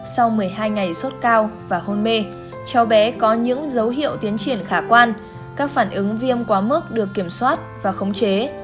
sau một mươi hai ngày sốt cao và hôn mê cháu bé có những dấu hiệu tiến triển khả quan các phản ứng viêm quá mức được kiểm soát và khống chế